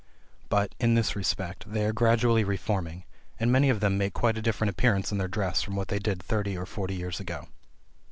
But, in this respect, they are gradually reforming, and many of them make quite a different appearance in their dress from what they did thirty or forty years ago.